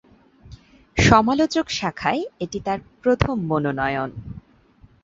সমালোচক শাখায় এটি তার প্রথম মনোনয়ন।